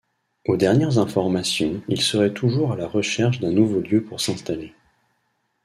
Aux dernières informations, il serait toujours à la recherche d'un nouveau lieu pour s'installer.